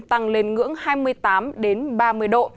tăng lên ngưỡng hai mươi tám ba mươi độ